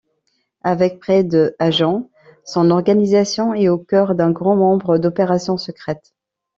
Avec près de agents, son organisation est au cœur d'un grand nombre d'opérations secrètes.